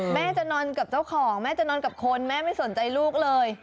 แม่จะนอนกับเจ้าของแม่จะนอนกับคนแม่ไม่สนใจลูกเลย